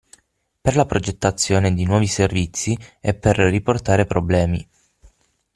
Per la progettazione di nuovi servizi, e per riportare problemi.